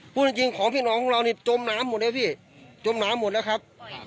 พูดจริงของพี่น้องของเรานี่จมน้ำหมดเลยพี่จมน้ำหมดแล้วครับ